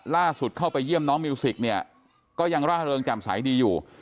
เข้าไปเยี่ยมน้องมิวสิกเนี่ยก็ยังร่าเริงแจ่มใสดีอยู่